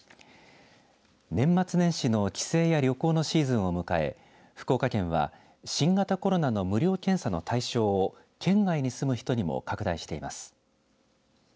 年末年始の帰省や旅行のシーズンを迎え福岡県は新型コロナの無料検査の対象を県外に住む人にも拡大しています。